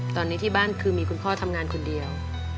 ตอนนี้ที่บ้านคือมีคุณพ่อทำงานคนเดียว